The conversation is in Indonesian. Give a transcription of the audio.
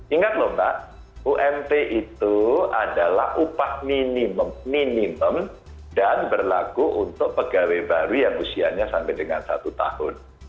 ingat lho mbak ump itu adalah upah minimum dan berlaku untuk pegawai baru yang usianya sampai dengan satu tahun